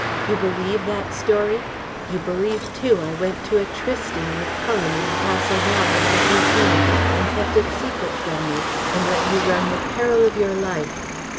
"You believe that story. You believe, too, I went to a trysting with Cullen on Castle Down, the night you came, and kept it secret from you and let you run the peril of your life.